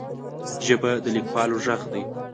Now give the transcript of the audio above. ژبه د لیکوالو غږ دی